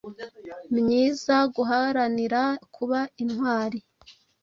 myiza, guharanira kuba intwari,